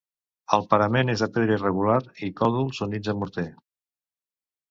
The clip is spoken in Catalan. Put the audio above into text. El parament és de pedra irregular i còdols units amb morter.